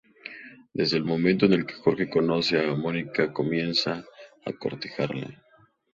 Desde el momento en que Jorge conoce a Monica comienza a cortejarla.